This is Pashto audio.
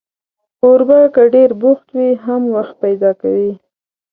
کوربه که ډېر بوخت وي، هم وخت پیدا کوي.